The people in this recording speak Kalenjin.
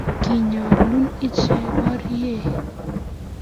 kiinyalul icheke borye